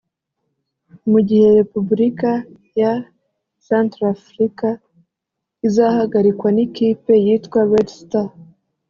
mu gihe Repubulika ya Centre Africa izahagararirwa n’ikipe yitwa Red star